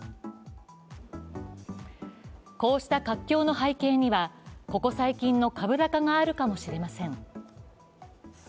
こうした活況の背景にはここ最近の株高があるかもしれません。